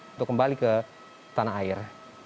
untuk kembali ke tanah air